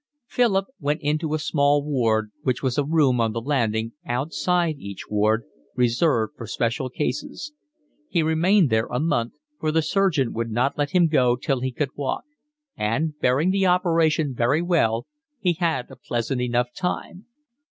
Philip went into a 'small ward', which was a room on the landing, outside each ward, reserved for special cases. He remained there a month, for the surgeon would not let him go till he could walk; and, bearing the operation very well, he had a pleasant enough time.